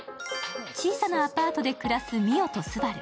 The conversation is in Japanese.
小さなアパートで暮らす澪と昴。